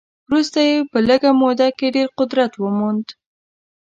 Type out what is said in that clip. وروسته یې په لږه موده کې ډېر قدرت وموند.